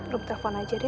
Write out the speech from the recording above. rung telfon aja deh